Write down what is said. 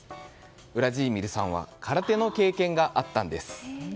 ウラジーミルさんは空手の経験があったんです。